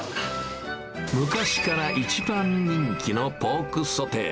昔から一番人気のポークソテー。